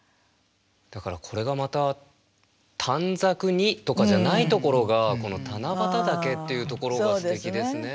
だからこれがまた「短冊に」とかじゃないところがこの「七夕竹」っていうところがすてきですね。